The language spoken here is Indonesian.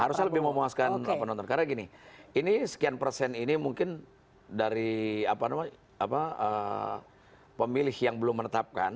harusnya lebih memuaskan penonton karena gini ini sekian persen ini mungkin dari pemilih yang belum menetapkan